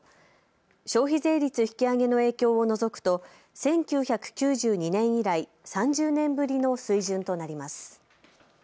消費税率引き上げの影響を除くと１９９２年以来３０年ぶりの水準となります。